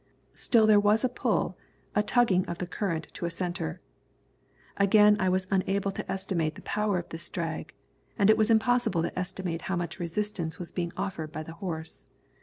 Still there was a pull, a tugging of the current to a centre. Again I was unable to estimate the power of this drag, as it was impossible to estimate how much resistance was being offered by the horse.